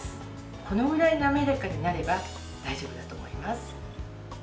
このぐらい滑らかになれば大丈夫だと思います。